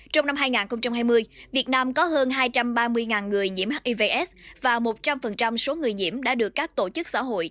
trong năm hai nghìn hai mươi việt nam có hơn hai trăm ba mươi người nhiễm hiv aids và một trăm linh số người nhiễm đã được các tổ chức xã hội